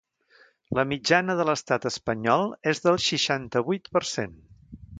La mitjana de l’estat espanyol és del seixanta-vuit per cent.